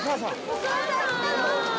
お母さん来た。